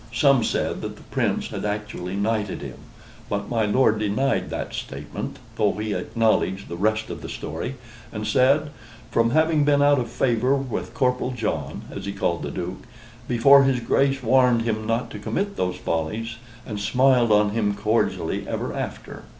Some said that the Prince had actually knighted him, but my lord denied that statement, though he acknowledged the rest of the story, and said: "From having been out of favor with Corporal John," as he called the Duke, "before his Grace warned him not to commit those follies, and smiled on him cordially ever after."